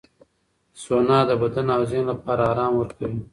سونا د بدن او ذهن لپاره آرام ورکوي.